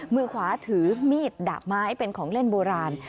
มือขวาถือมีดดาบไม้เป็นของเล่นโบราณ